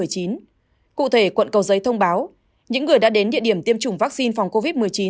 cụ thể quận cầu giấy thông báo những người đã đến địa điểm tiêm chủng vaccine phòng covid một mươi chín